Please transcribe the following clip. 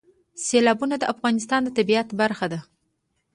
سیلابونه د افغانستان د طبیعت برخه ده.